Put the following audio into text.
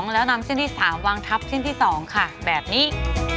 แล้วนำเส้นที่๓วางทับเส้นที่๒ค่ะแบบนี้